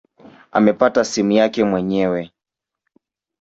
Amepata simu yake mwenyewe.